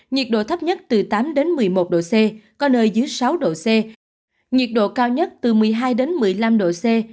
nhiệt độ thấp nhất từ tám đến một mươi một độ c có nơi dưới sáu độ c nhiệt độ cao nhất từ một mươi hai một mươi năm độ c